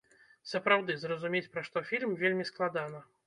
Сапраўды, зразумець пра што фільм, вельмі складана.